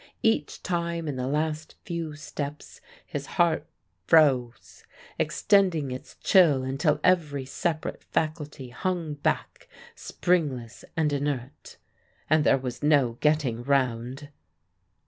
Each time in the last few steps his heart froze, extending its chill until every separate faculty hung back springless and inert. And there was no getting round!